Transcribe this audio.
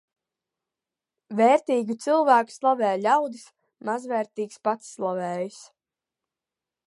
Vērtīgu cilvēku slavē ļaudis, mazvērtīgs pats slavējas.